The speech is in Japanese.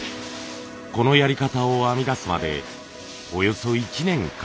このやり方を編み出すまでおよそ１年かかりました。